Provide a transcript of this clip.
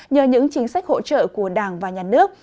nhờ những chính sách hỗ trợ của đảng và nhà nước